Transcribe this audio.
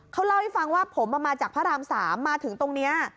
เขาเล่าให้ฟังว่าผมมาจากพระราม๓มาถึงตรงนี้